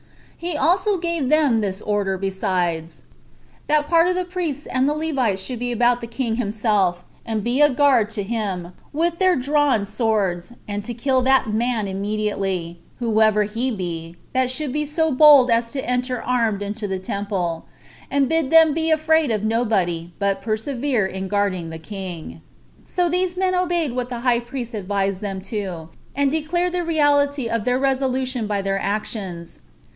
He also gave them this order besides, "That a part of the priests and the Levites should be about the king himself, and be a guard to him, with their drawn swords, and to kill that man immediately, whoever he be, that should be so bold as to enter armed into the temple; and bid them be afraid of nobody, but persevere in guarding the king." So these men obeyed what the high priest advised them to, and declared the reality of their resolution by their actions.